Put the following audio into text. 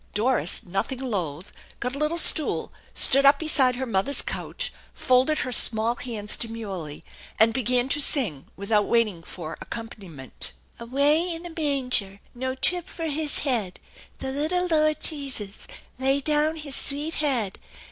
Doris, nothing loath, got a little stool, stood up beside her mother's couch, folded her small hands demurely, and began to sing without waiting for accompaniment: "Away in a manger, No trib for His head, The litta Lord Jesus Lay down His sveet head.